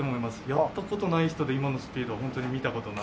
やった事ない人で今のスピードはホントに見た事ない。